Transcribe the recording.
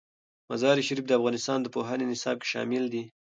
مزارشریف د افغانستان د پوهنې نصاب کې شامل دي.